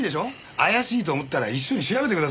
怪しいと思ったら一緒に調べてくださいよ。